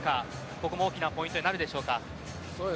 ここも大きなポイントになるでしょうか。